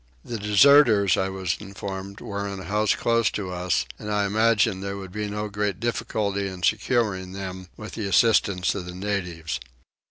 The deserters I was informed were in a house close to us, and I imagined there would be no great difficulty in securing them with the assistance of the natives.